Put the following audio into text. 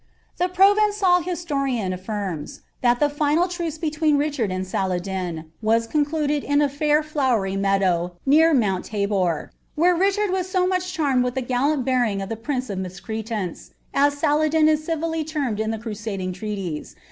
'" evenqal historian affirms that the final trace between Richard in was concluded in a fair llowery meadow* near Mount Tabor; thard waa so much charmed with the gallant bearing of ihe Utacreanis, as Saladin is civilly termed in the crusading treaties.